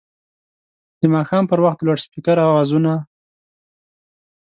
د ماښام پر وخت د لوډسپیکر اوازونه